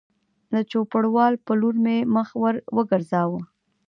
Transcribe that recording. د چوپړوال په لور مې مخ ور وګرځاوه